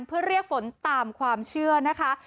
เพื่อเรียกฝนตามความเชื่อนะคะ